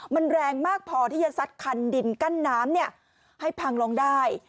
มันแรงมากพอที่จะซัดคันดินกั้นน้ำให้พังลงได้